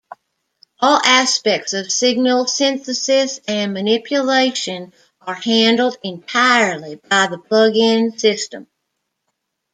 All aspects of signal synthesis and manipulation are handled entirely by the plugin system.